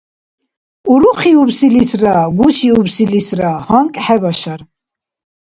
Урухиубсилисра гушиубсилисра гьанкӀ хӀебашар.